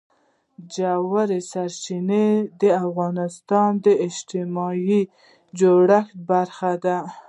ژورې سرچینې د افغانستان د اجتماعي جوړښت برخه ده.